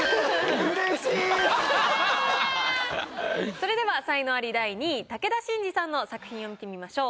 それでは才能アリ第２位武田真治さんの作品を見てみましょう。